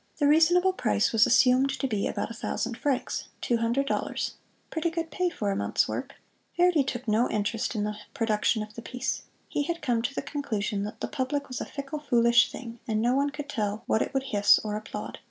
The "reasonable price" was assumed to be about a thousand francs two hundred dollars pretty good pay for a month's work. Verdi took no interest in the production of the piece. He had come to the conclusion that the public was a fickle, foolish thing, and no one could tell what it would hiss or applaud.